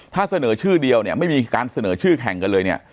ถ้าเสนอชื่อเดียวเนี่ยไม่มีการเสนอชื่อแข่งกันเลยเนี่ย